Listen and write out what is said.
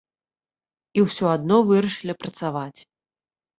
І ўсё адно вырашылі працаваць.